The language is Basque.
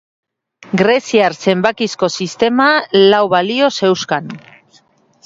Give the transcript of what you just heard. Greziar zenbakizko sisteman lau balioa zeukan.